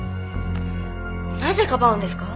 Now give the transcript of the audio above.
なぜかばうんですか？